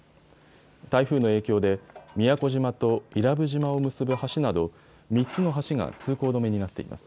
台風の影響で宮古島と伊良部島を結ぶ橋など３つの橋が通行止めになっています。